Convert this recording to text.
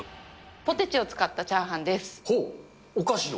ポテチを使ったチャーハンでお菓子の？